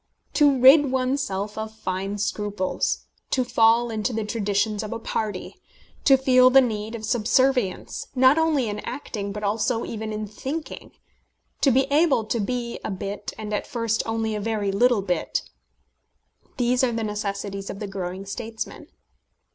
To rid one's self of fine scruples to fall into the traditions of a party to feel the need of subservience, not only in acting but also even in thinking to be able to be a bit, and at first only a very little bit, these are the necessities of the growing statesman.